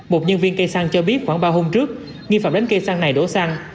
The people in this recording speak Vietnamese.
một nhân viên cây xăng cho biết khoảng ba hôm trước nhân viên đánh cây xăng này đổ xăng